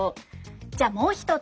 じゃあもう一つ。